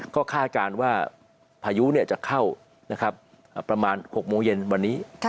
ก็คาดการณ์ว่าพายุจะเข้าประมาณ๖โมงเย็นวันนี้